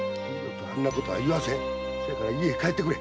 あんなこと言わせんから家へ帰ってくれ！